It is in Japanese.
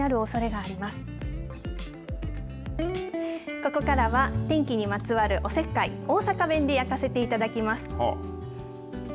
ここからは天気にまつわるおせっかい大阪弁で焼かせていただきます。